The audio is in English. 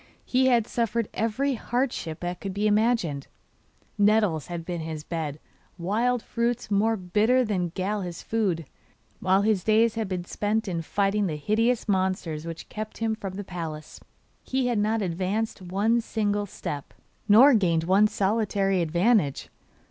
He had suffered every hardship that could be imagined nettles had been his bed, wild fruits more bitter than gall his food, while his days had been spent in fighting the hideous monsters which kept him from the palace. He had not advanced one single step, nor gained one solitary advantage.